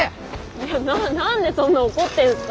いや何でそんな怒ってんすか？